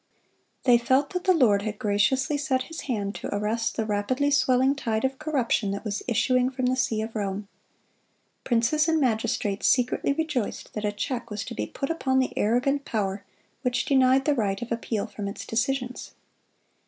They felt that the Lord had graciously set His hand to arrest the rapidly swelling tide of corruption that was issuing from the see of Rome. Princes and magistrates secretly rejoiced that a check was to be put upon the arrogant power which denied the right of appeal from its decisions.